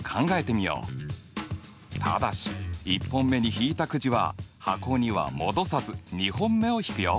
ただし１本目に引いたくじは箱には戻さず２本目を引くよ。